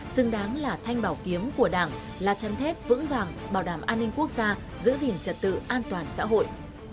xứng đáng là thanh bảo kiếm của đảng là chăn thép vững vàng bảo đảm an ninh quốc gia giữ gìn trật tự an toàn xã hội